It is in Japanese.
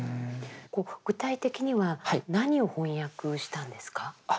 具体的には何を翻訳したんですか？